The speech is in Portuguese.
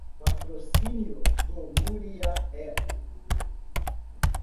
Patrocínio do Muriaé